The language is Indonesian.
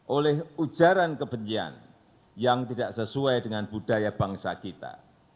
oleh ujaran kebencian yang tidak sesuai dengan budaya bangsa kita